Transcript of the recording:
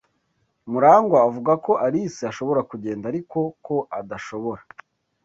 Murangwa avuga ko Alice ashobora kugenda, ariko ko adashobora.